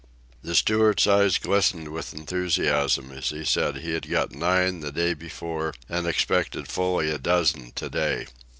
The steward's eyes glistened with enthusiasm as he said he had got nine the day before and expected fully a dozen to day.